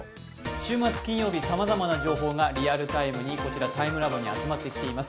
週末金曜日さまざまな情報がリアルタイムにＴＩＭＥＬＡＢＯに集まってきています。